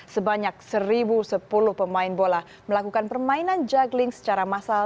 sebanyak seribu sepuluh pemain bola melakukan permainan juggling secara massal